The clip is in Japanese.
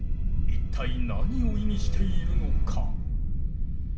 一体何を意味しているのか？